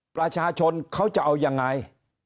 ประชาชนเขาจะเอายังไง